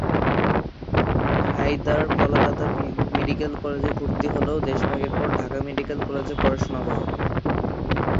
Haider Kolkata medical কলেজে ভর্তি হলেও দেশ ভাগের পর ঢাকা মেডিকেল কলেজে পড়াশোনা করেন।